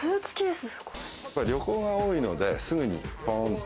旅行が多いので、すぐにポンと。